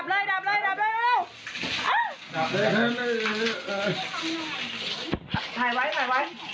น้องเข้ามาไฟลุกเลย